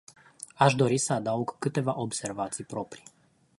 Aș dori să adaug câteva observații proprii.